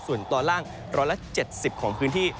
ส่วนตอนล่างร้อยละ๗๐ของพื้นที่